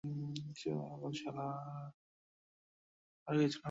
আরে কিছু না, পাগল শালা।